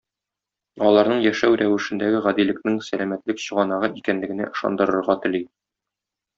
Аларның яшәү рәвешендәге гадилекнең сәламәтлек чыганагы икәнлегенә ышандырырга тели.